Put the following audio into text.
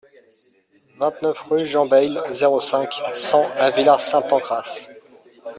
vingt-neuf rue Jean Bayle, zéro cinq, cent à Villar-Saint-Pancrace